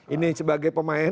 ini sebagai pemain